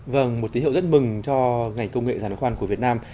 vâng một tín hiệu rất mừng cho ngành công nghệ giàn khoan của việt nam